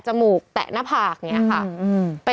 หรือ๒๘